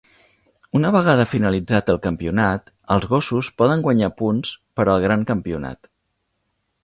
Una vegada finalitzat el campionat, els gossos poden guanyar punts per al gran campionat.